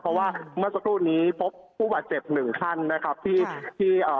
เพราะว่าเมื่อสักครู่นี้พบผู้บาดเจ็บหนึ่งท่านนะครับที่ที่เอ่อ